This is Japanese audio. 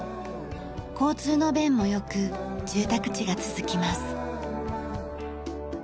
交通の便も良く住宅地が続きます。